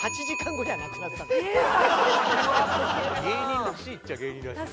芸人らしいっちゃ芸人らしい。